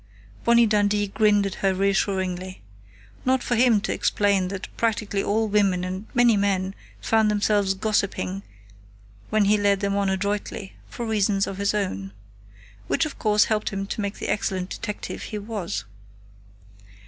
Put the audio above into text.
Bonnie Dundee grinned at her reassuringly. Not for him to explain that practically all women and many men found themselves "gossiping" when he led them on adroitly, for reasons of his own. Which of course helped make him the excellent detective he was.